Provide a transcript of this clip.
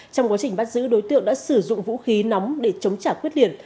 trong quá trình bắt giữ đối tượng đã sử dụng vũ khí nóng để chống trả quyết liệt